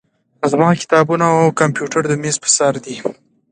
زما کتابونه او کمپیوټر د میز په سر دي.